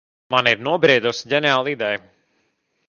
Man ir nobriedusi ģeniāla ideja.